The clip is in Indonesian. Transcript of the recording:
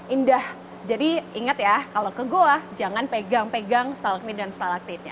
indah jadi ingat ya kalau ke goa jangan pegang pegang stalakmit dan stalaktitnya